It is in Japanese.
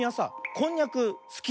こんにゃくすき？